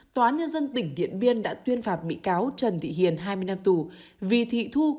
tòa án nhân dân tỉnh điện biên đã tuyên phạt bị cáo trần thị hiền hai mươi năm tù vì thị thu